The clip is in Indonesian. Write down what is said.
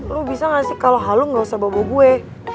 lo bisa gak sih kalau hal lo gak usah bawa gue